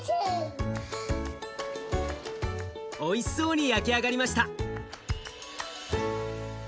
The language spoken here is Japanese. おいしそうに焼き上がりました。